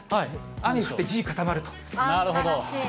雨降って地固まる。